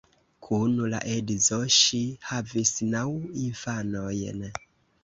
Kun la edzo ŝi havis naŭ infanojn.